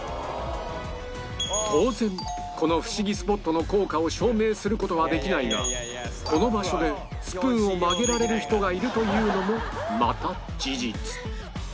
当然このフシギスポットの効果を証明する事はできないがこの場所でスプーンを曲げられる人がいるというのもまた事実